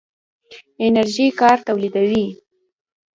انرژي کار تولیدوي.